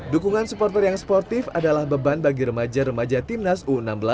dukungan supporter yang sportif adalah beban bagi remaja remaja timnas u enam belas